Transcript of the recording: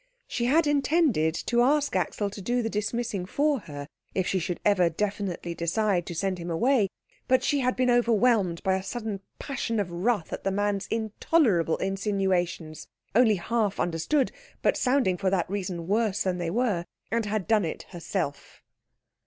She had intended to ask Axel to do the dismissing for her if she should ever definitely decide to send him away; but she had been overwhelmed by a sudden passion of wrath at the man's intolerable insinuations only half understood, but sounding for that reason worse than they were and had done it herself.